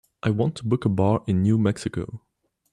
I want to book a bar in New Mexico.